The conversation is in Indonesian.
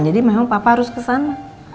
jadi memang papa harus ke sana